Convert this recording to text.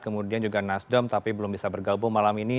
kemudian juga nasdem tapi belum bisa bergabung malam ini